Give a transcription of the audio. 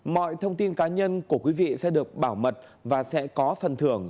mọi thông tin cá nhân của quý vị sẽ được bảo mật và sẽ có phần thưởng